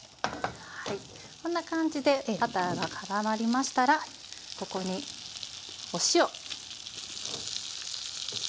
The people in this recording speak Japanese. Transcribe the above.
はいこんな感じでバターがからまりましたらここにお塩。